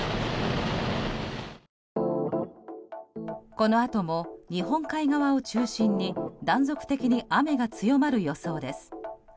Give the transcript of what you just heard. このあとも日本海側を中心に断続的に雨が強まる予想です。